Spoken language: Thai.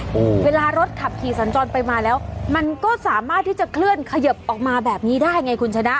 โอ้โหเวลารถขับขี่สัญจรไปมาแล้วมันก็สามารถที่จะเคลื่อนขยิบออกมาแบบนี้ได้ไงคุณชนะ